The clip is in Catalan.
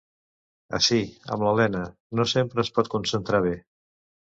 Ací, amb l’Elena... no sempre es pot concentrar bé.